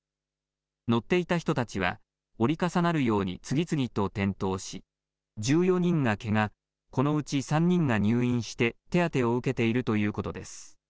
乗っていた人たちは、折り重なるように次々と転倒し、１４人がけが、このうち３人が入院して手当てを受けているということです。